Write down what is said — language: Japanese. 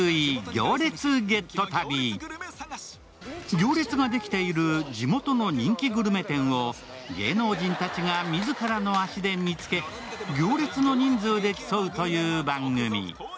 行列ができている地元の人気グルメ店を芸能人たちが自らの足で見つけ、行列の人数で競うという番組。